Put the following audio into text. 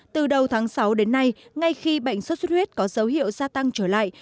từ đầu tháng sáu đến nay ngay khi bệnh xuất xuất huyết có dấu hiệu gia tăng trở lại